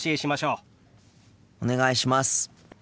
お願いします。